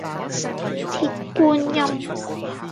鐵觀音